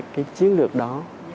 cái chiến lược đó